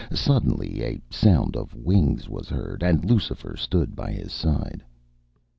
Suddenly a sound of wings was heard, and Lucifer stood by his side.